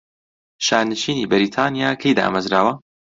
شانشینی بەریتانیا کەی دامەرزاوە؟